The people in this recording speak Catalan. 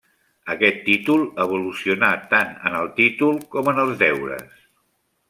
Aquest títol evolucionà tant en el títol com en els deures.